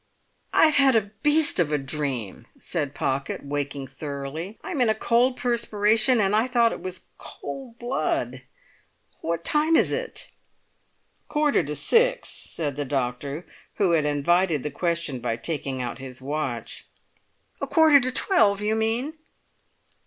"I've had a beast of a dream!" said Pocket, waking thoroughly. "I'm in a cold perspiration, and I thought it was cold blood! What time is it?" "A quarter to six," said the doctor, who had invited the question by taking out his watch. "A quarter to twelve, you mean!"